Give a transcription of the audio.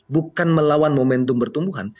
bukan melawan momentum pertumbuhan